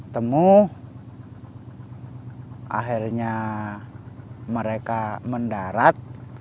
temu akhirnya mereka mendarat